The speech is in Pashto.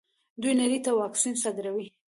دوی نړۍ ته واکسین صادروي.